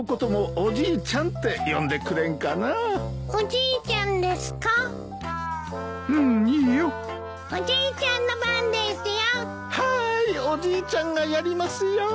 おじいちゃんがやりますよ！